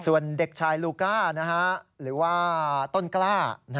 ส่วนเด็กชายลูก้าหรือว่าต้นกล้า